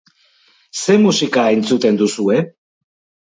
Zer musika entzuten duzue?